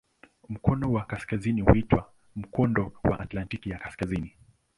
Mkono wa kaskazini huitwa "Mkondo wa Atlantiki ya Kaskazini".